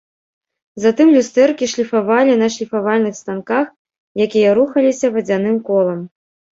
Затым люстэркі шліфавалі на шліфавальных станках, якія рухаліся вадзяным колам.